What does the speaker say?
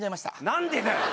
何でだよ？